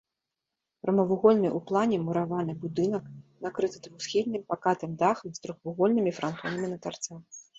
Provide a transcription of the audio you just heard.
Прамавугольны ў плане мураваны будынак накрыты двухсхільным пакатым дахам з трохвугольнымі франтонамі на тарцах.